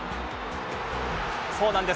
そうなんです。